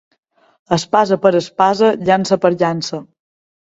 Espasa per espasa, llança per llança.